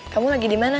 kamu lagi dimana